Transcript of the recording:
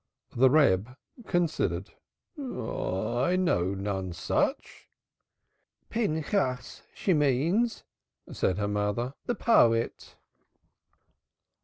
The Reb considered. "I know none such." "Pinchas she means," said her mother. "The poet!"